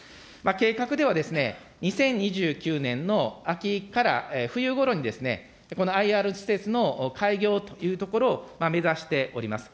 計画では、２０２９年の秋から冬ごろに、このＩＲ施設の開業というところを目指しております。